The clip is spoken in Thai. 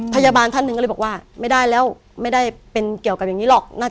ท่านหนึ่งก็เลยบอกว่าไม่ได้แล้วไม่ได้เป็นเกี่ยวกับอย่างนี้หรอก